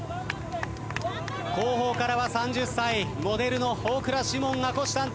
後方からは３０歳モデルの大倉士門が虎視眈々